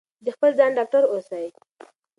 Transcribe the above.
د خپل ځان ډاکټر اوسئ.